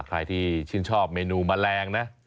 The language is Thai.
ใครที่ชื่นชอบเมนูแมลงนะ